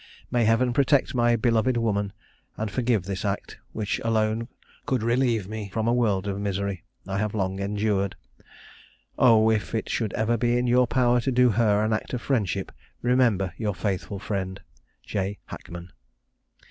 May Heaven protect my beloved woman, and forgive this act, which alone could relieve me from a world of misery I have long endured! Oh! if it should ever be in your power to do her an act of friendship, remember your faithful friend, "J. HACKMAN."